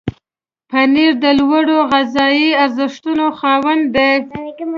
پنېر د لوړو غذایي ارزښتونو خاوند دی.